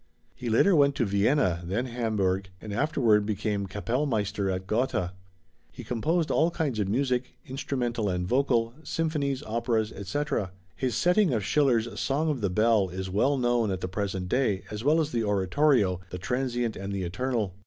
He later went to Vienna, then Hamburg, and afterward became Kapellmeister at Gotha. He composed all kinds of music, instrumental and vocal, symphonies, operas, etc. His setting of Schiller's "Song of the Bell" is well known at the present day, as well as the oratorio, "The Transient and the Eternal."